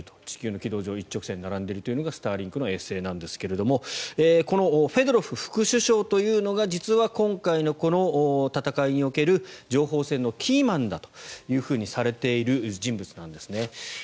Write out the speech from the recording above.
地球の軌道上に一直線に並んでいるというのがスターリンクなんですがこのフェドロフ副首相というのが実は今回のこの戦いにおける情報戦のキーマンだとされている人物なんですね。